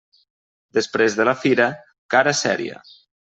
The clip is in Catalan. Després de la fira, cara seria.